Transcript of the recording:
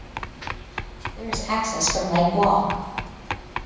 There is access from Lake Walk.